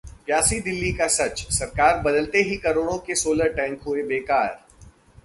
प्यासी दिल्ली का सच, सरकार बदलते ही करोड़ों के सोलर टैंक हुए बेकार